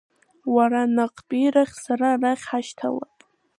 Уара наҟтәирахь, сара арахь ҳашьҭалап.